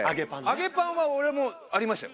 揚げパンは俺もありましたよ。